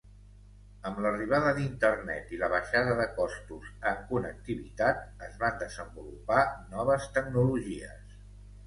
Amb l'arribada d'Internet i la baixada de costos en connectivitat es van desenvolupar noves tecnologies.